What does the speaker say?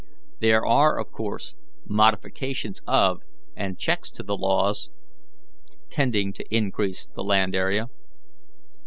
There are, of course, modifications of and checks to the laws tending to increase the land area.